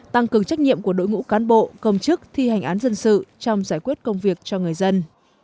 tăng cường trách nhiệm của đội ngũ cán bộ công chức thi hành án dân sự trong giải quyết công việc cho người dân